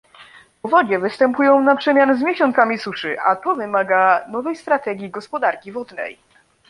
Powodzie występują na przemian z miesiącami suszy, a to wymaga nowej strategii gospodarki wodnej